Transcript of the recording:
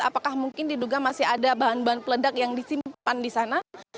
apakah mungkin diduga masih ada bahan bahan peledak yang disimpan di sana